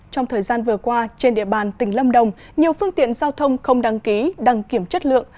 trong thời gian vừa qua trên địa bàn tỉnh lâm đồng nhiều phương tiện giao thông không đăng ký đăng kiểm chất lượng